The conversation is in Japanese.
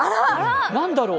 何だろう。